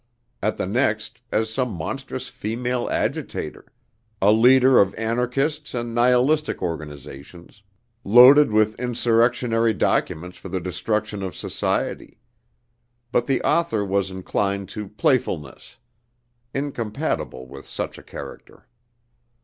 At the next, as some monstrous female agitator; a leader of Anarchists and Nihilistic organizations, loaded with insurrectionary documents for the destruction of society. But the author was inclined to playfulness; incompatible with such a character.